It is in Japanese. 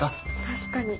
確かに。